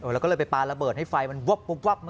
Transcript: แล้วก็เลยไปปลาระเบิดให้ไฟมันวับ